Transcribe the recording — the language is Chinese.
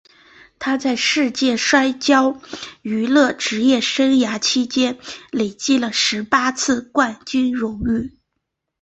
他在世界摔角娱乐职业生涯期间累计了十八次的冠军荣誉。